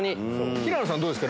平野さんどうですか？